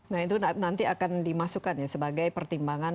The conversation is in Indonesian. nah itu nanti akan dimasukkan ya sebagai pertimbangan